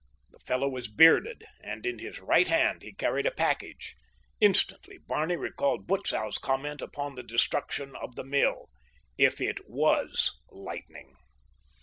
The fellow was bearded, and in his right hand he carried a package. Instantly Barney recalled Butzow's comment upon the destruction of the mill—"if it WAS lightning!"